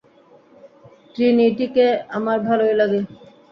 ট্রিনিটিকে আমার ভালোই লাগে।